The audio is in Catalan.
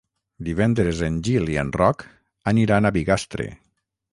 Divendres en Gil i en Roc aniran a Bigastre.